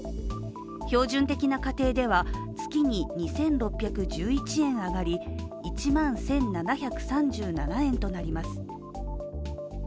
標準的な家庭では月に２６１１円上がり１万１７３７円となります。